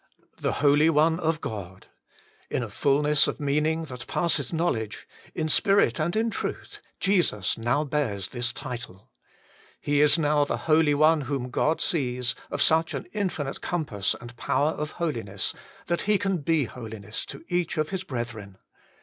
THE HOLY ONE OF GOD ! in a fulness of meaning that passeth knowledge, in spirit and in truth, Jesus THE HOLY ONE OF GOD. 129 now bears this title. He is now the One Holy One whom God sees, of such an infinite compass and power of holiness, that He can be holiness to each of His brethren.